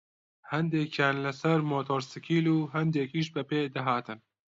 هەندێکیان لەسەر مۆتۆرسکیل و هەندێکیش بەپێ دەهاتن